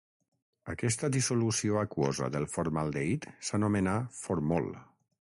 Aquesta dissolució aquosa del formaldehid s'anomena Formol.